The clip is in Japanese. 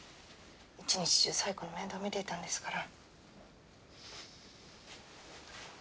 一日中左枝子の面倒を見ていたんですから。